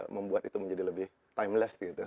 membuat itu menjadi lebih timeless gitu